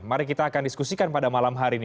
mari kita akan diskusikan pada malam hari ini